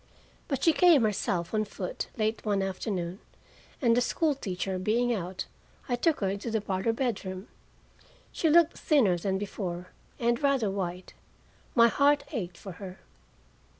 But she came herself, on foot, late one afternoon, and the school teacher being out, I took her into the parlor bedroom. She looked thinner than before, and rather white. My heart ached for her.